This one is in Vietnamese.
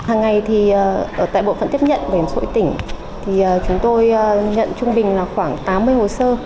hàng ngày thì ở tại bộ phận tiếp nhận bảo hiểm sội tỉnh thì chúng tôi nhận trung bình là khoảng tám mươi hồ sơ